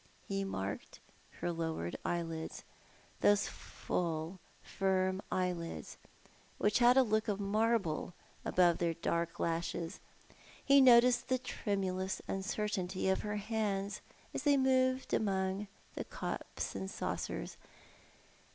He marked her lowered eyelids, those full, firm eyelids which had a look of marble above their dark lashes ; he noticed the tremulous uncertainty of her hands as they moved among the cups and saucers.